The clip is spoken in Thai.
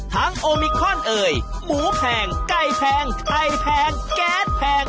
โอมิคอนเอ่ยหมูแพงไก่แพงไข่แพงแก๊สแพง